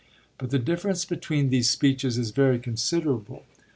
But the difference between these speeches is very considerable.